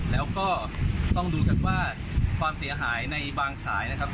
แล้วก็ต้องดูกันว่าความเสียหายในบางสายนะครับ